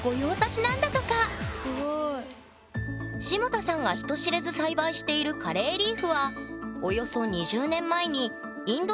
霜多さんが人知れず栽培しているカレーリーフははっそうなんだ。